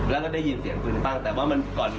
แล้วก็ได้ยินเสียงปืนบ้างแต่ว่ามันก่อน